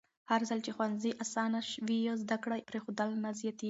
هرځل چې ښوونځي اسانه وي، زده کړه پرېښودل نه زیاتېږي.